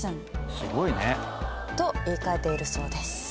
すごいねと言い換えているそうです